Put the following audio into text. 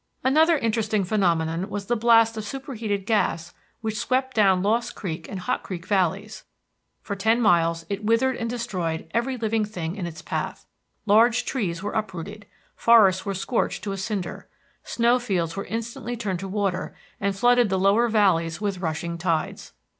Another interesting phenomenon was the blast of superheated gas which swept down Lost Creek and Hot Creek Valleys. For ten miles it withered and destroyed every living thing in its path. Large trees were uprooted. Forests were scorched to a cinder. Snow fields were instantly turned to water and flooded the lower valleys with rushing tides.